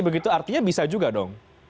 artinya bisa juga dong